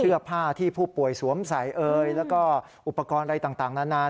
เสื้อผ้าที่ผู้ป่วยสวมใส่เอยแล้วก็อุปกรณ์อะไรต่างนาน